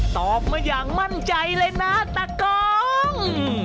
ตอบมาอย่างมั่นใจเลยนะตะกอง